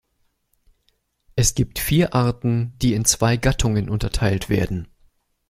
Es gibt vier Arten, die in zwei Gattungen unterteilt werden.